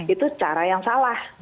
itu cara yang salah